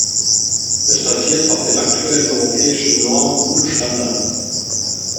Es basiert auf den aktuellen europäischen Normen und Standards.